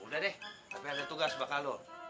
udah deh tapi ada tugas bakal